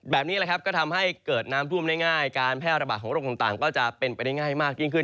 แบบนี้แหละครับก็ทำให้เกิดน้ำท่วมได้ง่ายการแพร่ระบาดของโรคต่างก็จะเป็นไปได้ง่ายมากยิ่งขึ้น